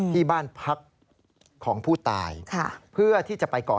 ที่บ้านพักของผู้ตายเพื่อที่จะไปก่อเหตุนะครับ